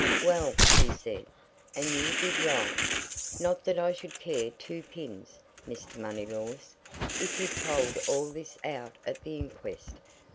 "Well," he said, "and you did right. Not that I should care two pins, Mr. Moneylaws, if you'd told all this out at the inquest.